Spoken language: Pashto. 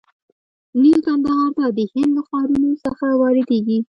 نیل کندهار ته د هند له ښارونو څخه واردیږي.